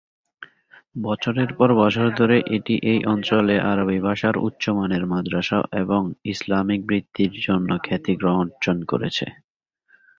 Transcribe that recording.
বছরের পর বছর ধরে এটি এই অঞ্চলে আরবি ভাষার উচ্চমানের মাদ্রাসা এবং ইসলামিক বৃত্তির জন্য খ্যাতি অর্জন করেছে।